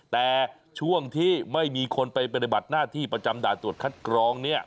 แต่ช่วงที่ไม่มีคนไปปฏิบัติหน้าที่ประจำด่านตรวจคัดกรอง